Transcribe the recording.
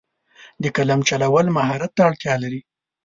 د قلم چلول مهارت ته اړتیا لري.